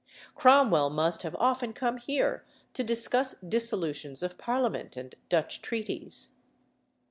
Cromwell must have often come here to discuss dissolutions of Parliament and Dutch treaties.